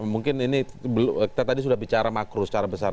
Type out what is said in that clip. mungkin ini kita tadi sudah bicara makro secara besar